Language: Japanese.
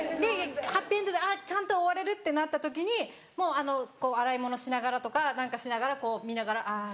ハッピーエンドでちゃんと終われるってなった時にもう洗い物しながらとか何かしながら見ながらあぁ。